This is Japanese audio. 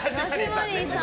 さん。